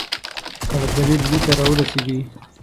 که ابدالي ډهلي ته را ورسیږي.